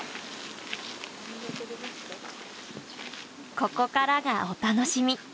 ここからがお楽しみ。